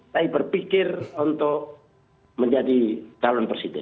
tapi berpikir untuk menjadi calon presiden